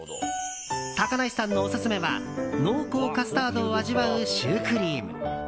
高梨さんのオススメは濃厚カスタードを味わうシュークリーム。